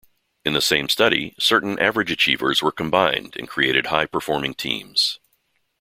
In the same study, certain average achievers were combined and created high performing teams.